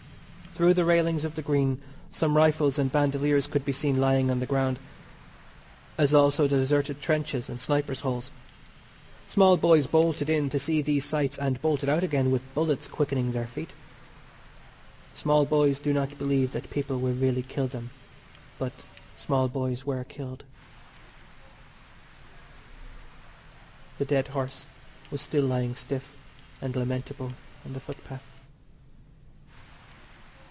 Through the railings of the Green some rifles and bandoliers could be seen lying on the ground, as also the deserted trenches and snipers' holes. Small boys bolted in to see these sights and bolted out again with bullets quickening their feet. Small boys do not believe that people will really kill them, but small boys were killed. The dead horse was still lying stiff and lamentable on the footpath.